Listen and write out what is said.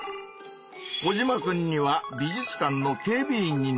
コジマくんには美術館の警備員になってもらったぞ！